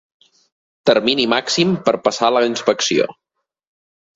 Termini màxim per passar la inspecció.